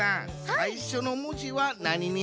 さいしょのもじはなににする？